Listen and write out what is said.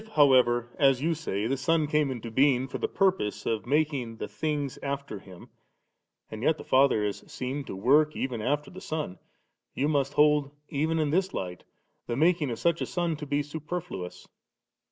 however^ as you saj, the Son came into being for the purpose of making the things after Him, and yet the Father is seen to work even after the Son, you must hold even in this light the making of such a Son to be super fluous.